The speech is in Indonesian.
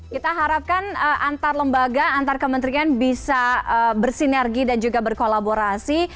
kita harapkan antar lembaga antar kementerian bisa bersinergi dan juga berkolaborasi